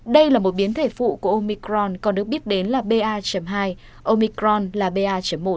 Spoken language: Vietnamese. đây là một biến thể phụ của omicron còn được biết đến là ba hai omicron là ba một